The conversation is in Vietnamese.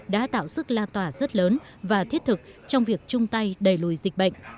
đã tạo sức la tỏa rất lớn và thiết thực trong việc chung tay đẩy lùi dịch bệnh